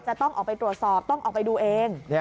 จะต้องออกไปตรวจสอบต้องออกไปดูเอง